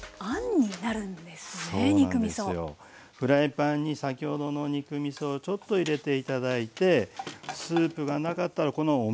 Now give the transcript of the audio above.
フライパンに先ほどの肉みそをちょっと入れて頂いてスープがなかったらこのお水で大丈夫です。